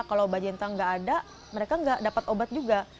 kalau bacenta nggak ada mereka nggak dapat obat juga